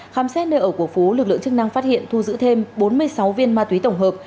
khám xét nơi ở của phú lực lượng chức năng phát hiện thu giữ thêm bốn mươi sáu viên ma túy tổng hợp